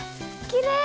きれい！